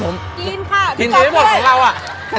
บันอฟฟี่เหรอฮะ